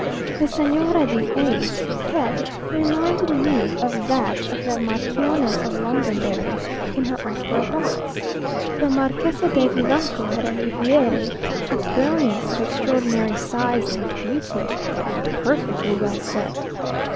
The Señora de A 's head reminded me of that of the Marchioness of Londonderry, in her opera box. The Marquesa de Vivanco had a rivière of brilliants of extraordinary size and beauty, and perfectly well set.